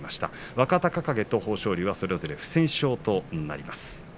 若隆景と豊昇龍はそれぞれ不戦勝ということになります。